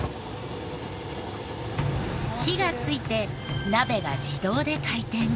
火がついて鍋が自動で回転。